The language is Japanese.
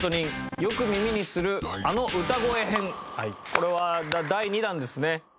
これは第２弾ですね。